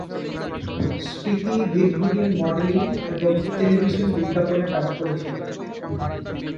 স্মৃতি দীর্ঘদিন মডেলিং এবং টেলিভিশন বিজ্ঞাপনে কাজ করেছিলেন।